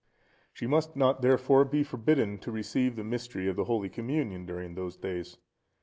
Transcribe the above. She must not, therefore, be forbidden to receive the Mystery of the Holy Communion during those days.